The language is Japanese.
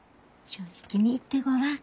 正直に言ってごらん。